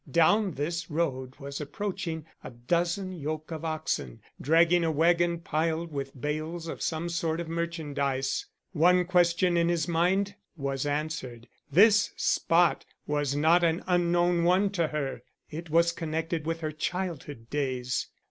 Down this road was approaching a dozen yoke of oxen dragging a wagon piled with bales of some sort of merchandise. One question in his mind was answered. This spot was not an unknown one to her. It was connected with her childhood days.